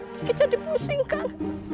bikin jadi pusing kan